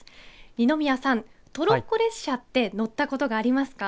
二宮さん、トロッコ列車って乗ったことがありますか。